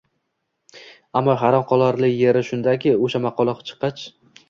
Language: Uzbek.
Ammo hayron qolarli yeri shundaki, o‘sha maqola chiqqach